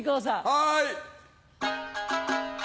はい。